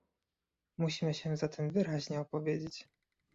Musimy się za tym wyraźnie opowiedzieć